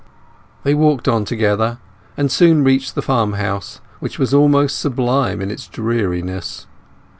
They walked on together and soon reached the farmhouse, which was almost sublime in its dreariness.